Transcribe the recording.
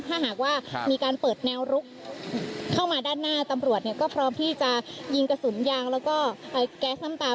ถ้าหากว่ามีการเปิดแนวลุกเข้ามาด้านหน้าตำรวจก็พร้อมที่จะยิงกระสุนยางแล้วก็แก๊สน้ำตา